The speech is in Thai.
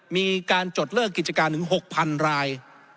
มีการจดเลิกกิจการถึง๖๐๐๐ราย